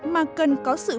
mà cần có sự văn hóa